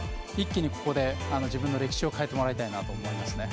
一気にここで自分の歴史を変えてもらいたいと思います。